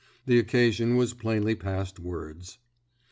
The occasion was plainly past words.